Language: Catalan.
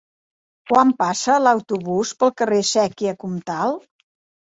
Quan passa l'autobús pel carrer Sèquia Comtal?